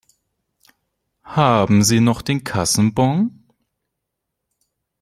Haben Sie noch den Kassenbon?